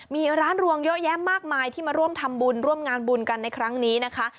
มีร้านรวงเยอะแยะมากมายที่มาร่วมทำบุญร่วมงานบุญกันในครั้งนี้นะคะ